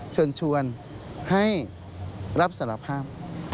เชิญชวนให้รับสารภาพ